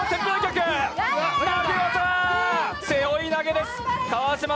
背負い投げです。